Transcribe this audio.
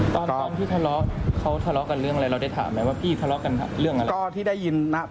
ตอนที่ทะเลาะเขาทะเลาะกันเรื่องอะไร